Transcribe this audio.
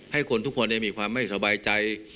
ให้คนทุกคนมีความไม่สบายใจ